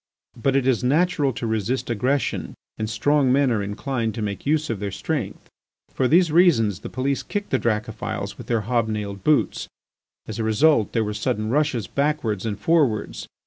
But it is natural to resist aggression and strong men are inclined to make use of their strength. For these reasons the police kicked the Dracophils with their hob nailed boots. As a result there were sudden rushes backwards and forwards.